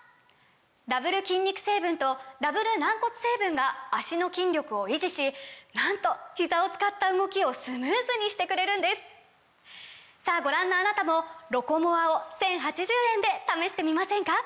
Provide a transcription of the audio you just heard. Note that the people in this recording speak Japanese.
ダブル筋肉成分とダブル軟骨成分が脚の筋力を維持しなんとひざを使った動きをスムーズにしてくれるんですさぁご覧のあなたも「ロコモア」を１，０８０円で試してみませんか！